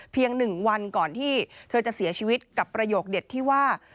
เพียงหนึ่งวันก่อนที่เธอจะเสียชีวิตกับประโยคเด็จที่ว่า